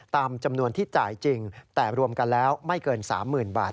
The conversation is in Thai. ตามจำนวนที่จ่ายจริงแต่รวมกันแล้วไม่เกิน๓๐๐๐บาท